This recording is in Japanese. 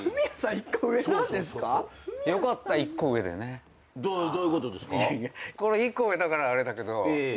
１個上だからあれだけど。